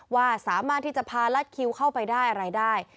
ว่าสามารถที่จะพารัดคิวเข้าไปได้อะไรได้